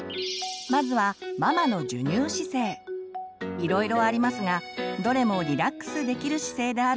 いろいろありますがどれもリラックスできる姿勢であることが大切です。